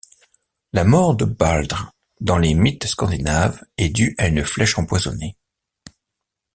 La mort de Baldr dans les mythes Scandinaves est due à une flèche empoisonnée.